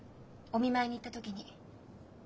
お見舞いに行った時に。